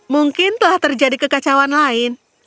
mungkin telah terjadi kekacauan lain